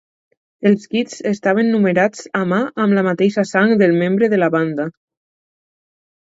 Els kits estaven numerats a mà amb la mateixa sang del membre de la banda.